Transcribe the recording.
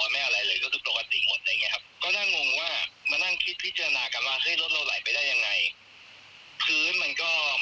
เคยจอดแล้วลืมใส่เบรกมือลืมใส่เกียร์อะไรอย่างนี้ครับ